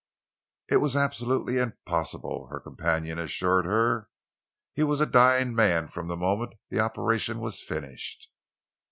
"It was absolutely impossible," her companion assured her. "He was a dying man from the moment the operation was finished."